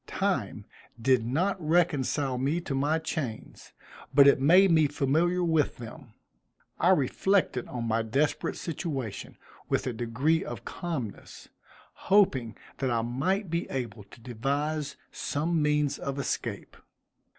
Time did not reconcile me to my chains, but it made me familiar with them. I reflected on my desperate situation with a degree of calmness, hoping that I might be able to devise some means of escape.